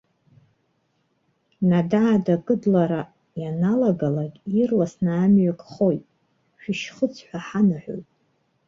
Надаада акыдлара ианалагалак, ирласны амҩа кхоит, шәышьхыҵ ҳәа ҳанаҳәоит.